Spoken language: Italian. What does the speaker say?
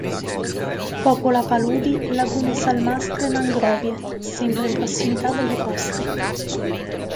Popola paludi, lagune salmastre e mangrovie, sempre in prossimità delle coste.